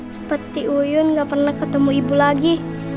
seperti uyun gak pernah ketemu ibu lagi